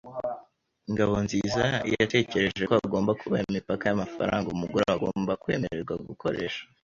Ngabonziza yatekereje ko hagomba kubaho imipaka y’amafaranga umugore we agomba kwemererwa gukoresha.